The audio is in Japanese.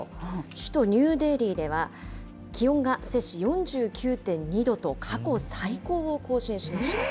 首都ニューデリーでは、気温が摂氏４９．２度と、過去最高を更新しました。